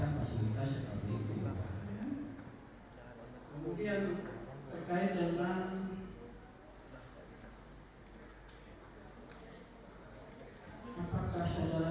apakah saudara saudara pernah menjelaskan bagai saudara